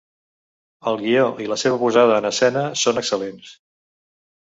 El guió i la seva posada en escena són excel·lents.